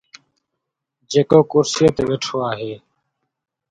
جيڪو ڪرسي تي ويٺو آهي.